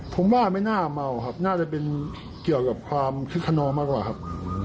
ผมว่าไม่น่าเมาครับน่าจะเป็นเกี่ยวกับความคึกขนองมากกว่าครับ